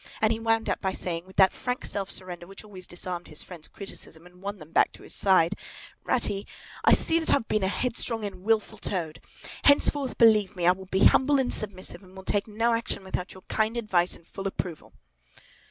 And he wound up by saying, with that frank self surrender which always disarmed his friend's criticism and won them back to his side, "Ratty! I see that I have been a headstrong and a wilful Toad! Henceforth, believe me, I will be humble and submissive, and will take no action without your kind advice and full approval!"